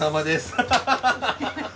ハハハハ！